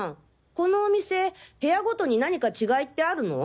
このお店部屋ごとに何か違いってあるの？